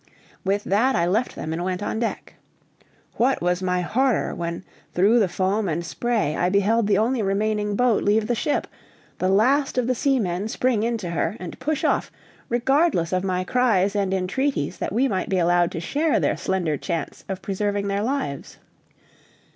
With that, I left them and went on deck. What was my horror when through the foam and spray I beheld the only remaining boat leave the ship, the last of the seamen spring into her and push off, regardless of my cries and entreaties that we might be allowed to share their slender chance of preserving their lives.